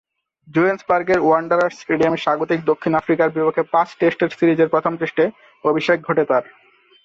জোহেন্সবার্গের Wanderers স্টেডিয়ামে স্বাগতিক দক্ষিণ আফ্রিকার বিপক্ষে পাঁচ টেস্টের সিরিজের প্রথম টেস্টে অভিষেক ঘটে তার।